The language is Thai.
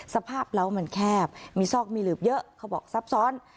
สภาพเล้ามันแคบมีซอกมีหลืบเยอะเขาบอกซับซ้อน